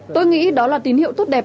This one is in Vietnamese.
tôi nghĩ đó là tín hiệu tốt đẹp